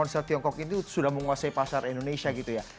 konser tiongkok itu sudah menguasai pasar indonesia gitu ya